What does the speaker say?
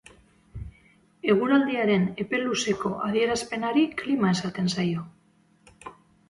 Eguraldiaren epe luzeko adierazpenari klima esaten zaio.